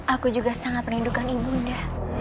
aku juga sangat merindukan ibunda